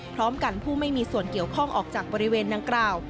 พร้อมกันผู้ไม่มีส่วนเกี่ยวข้องออกจากบริเวณดังกล่าว